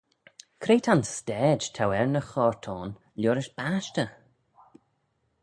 Cre ta'n stayd t'ou er ny choyrt ayn liorish bashtey?